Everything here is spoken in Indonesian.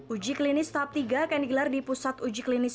uji klinis tahap tiga akan digelar di pusat uji klinis